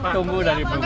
tunggu dari pengguna